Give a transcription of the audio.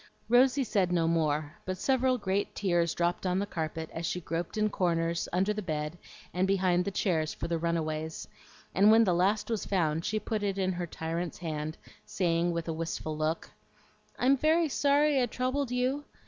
Rosy said no more, but several great tears dropped on the carpet as she groped in corners, under the bed, and behind the chairs for the run aways; and when the last was found she put it in her tyrant's hand, saying, with a wistful look, "I'm very sorry I troubled you.